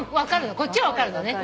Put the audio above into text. こっちは分かるのね。